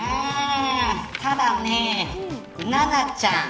ただね、七菜ちゃん